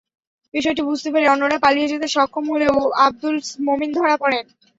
বিষয়টি বুঝতে পেরে অন্যরা পালিয়ে যেতে সক্ষম হলেও আবদুল মোমিন ধরা পড়েন।